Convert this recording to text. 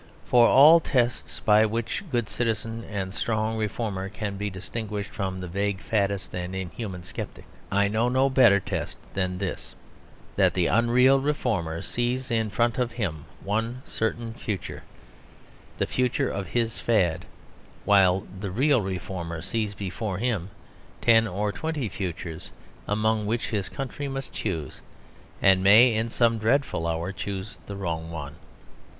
For of all tests by which the good citizen and strong reformer can be distinguished from the vague faddist or the inhuman sceptic, I know no better test than this that the unreal reformer sees in front of him one certain future, the future of his fad; while the real reformer sees before him ten or twenty futures among which his country must choose, and may, in some dreadful hour, choose the wrong one.